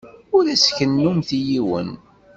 Ur as-kennumt i yiwen.